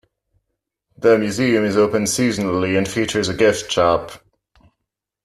The museum is open seasonally and features a gift shop.